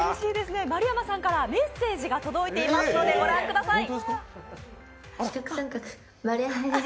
丸山さんからメッセージが届いていますのでご覧ください。